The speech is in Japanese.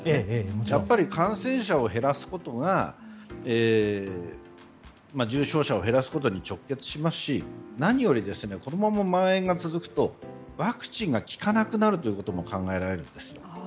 やっぱり感染者を減らすことが重症者を減らすことに直結しますし何よりこのまま、まん延が続くとワクチンが効かなくなるということも考えられるんです。